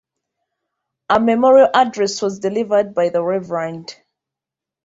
A memorial address was delivered by the Rev.